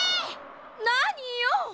なによ！